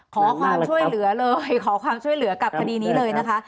ขอความช่วยเหลือเลยขอความช่วยเหลือกับคดีนี้เลยนะคะ